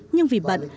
nhưng vì bận